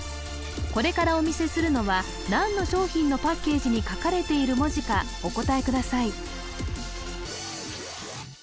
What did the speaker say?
これからお見せするのは何の商品のパッケージに書かれている文字かお答えください